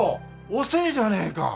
遅えじゃねえか。